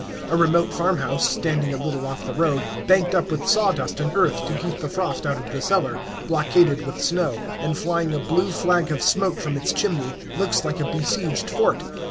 A remote farmhouse, standing a little off the road, banked up with sawdust and earth to keep the frost out of the cellar, blockaded with snow, and flying a blue flag of smoke from its chimney, looks like a besieged fort.